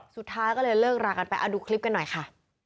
สุดท้ายก็เลยเลิกรากันไปดูคลิปกันหน่อยค่ะ